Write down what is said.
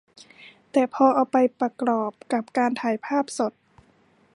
แต่พอเอาไปประกอบกับการถ่ายภาพสด